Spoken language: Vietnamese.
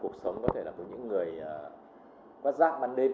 cuộc sống có thể là của những người bắt rác ban đêm